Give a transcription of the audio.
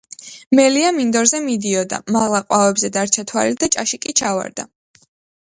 მელია მინდორზე მიდიოდა. მაღლა ყვავებზე დარჩა თვალი და ჭაში კი ჩავარდა